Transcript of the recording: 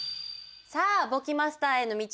さあ簿記マスターへの道